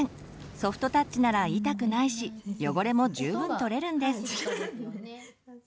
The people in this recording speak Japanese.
ソフトタッチなら痛くないし汚れも十分取れるんです。